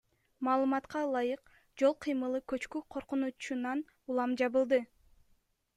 Маалыматка ылайык, жол кыймылы көчкү коркунучунан улам жабылды.